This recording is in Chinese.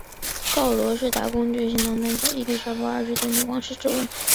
告罗士打公爵代行堂姐伊利莎伯二世女王的王室职务。